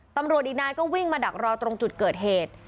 ตำรวจอีกนายก็วิ่งมาดักรอตรงจุดเกิดเหตุ